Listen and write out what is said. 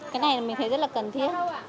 cái này mình thấy rất là cần thiết